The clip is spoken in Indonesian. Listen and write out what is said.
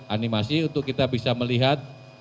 animasi untuk kita bisa melihat